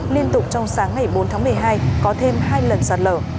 liên tục trong sáng ngày bốn tháng một mươi hai có thêm hai lần sạt lở